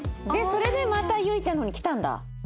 それでまたユイちゃんの方に来たんだ？